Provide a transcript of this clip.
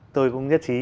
tôi cũng nhất trí